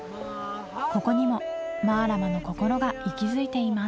ここにもマラマのこころが息づいています